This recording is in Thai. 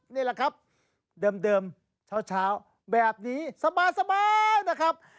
นี่แหละครับเดิมเช้าแบบนี้สบายนะครับ